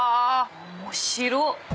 面白っ！